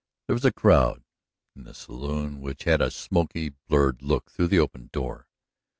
There was a crowd in the saloon, which had a smoky, blurred look through the open door.